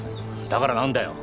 だからなんだよ！